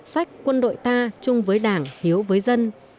sách quân đội ta chung với đảng hiếu với dân